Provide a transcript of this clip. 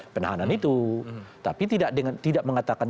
penahanan itu tapi tidak mengatakan